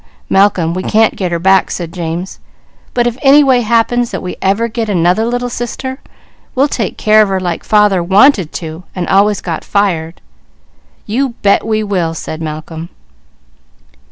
"Malcolm, we can't get her back," said James, "but if any way happens that we ever get another little sister, we'll take care of her like father wanted to." "You bet we will!" said Malcolm.